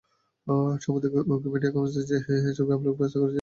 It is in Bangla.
সম্প্রতি উইকিমিডিয়া কমন্সে ছবি আপলোড ব্যবস্থাকে সহজ করতে চালু হয়েছে বিশেষ অ্যাপ।